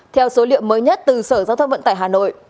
theo số liệu mới nhất từ sở giao thông vận tải hà nội